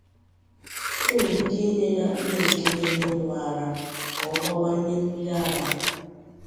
Enwere ike inye ya nne nke na-enye nwa ara ka ọ bawanye mmiri ara ya.